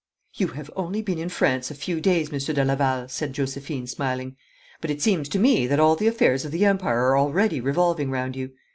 'You have only been in France a few days, Monsieur de Laval,' said Josephine, smiling, 'but it seems to me that all the affairs of the Empire are already revolving round you.